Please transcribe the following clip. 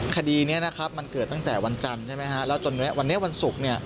คดีนี้มันเกิดตั้งแต่วันจันทร์จนวันนี้วันศุกร์